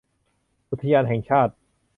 อุทยานแห่งชาติ